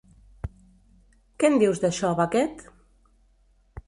Que en dius d'això, Bucket?